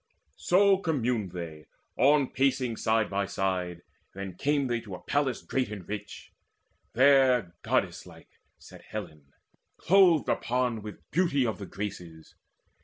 So communed they, on pacing side by side. Then came they to a palace great and rich: There goddess like sat Helen, clothed upon With beauty of the Graces.